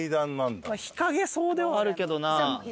日陰そうではあるけどな。